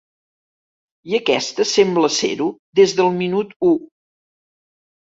I aquesta sembla ser-ho des del minut u.